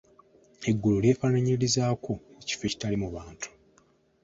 Eggulu lyefaanaanyirizaako ekifo ekitaliimu bantu.